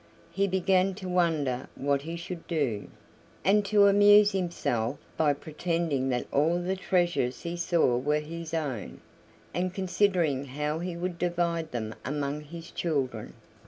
He began to wonder what he should do, and to amuse himself by pretending that all the treasures he saw were his own, and considering how he would divide them among his children.